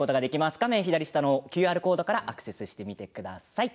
画面左下のＱＲコードからアクセスしてみてください。